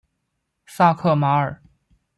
萨克马尔。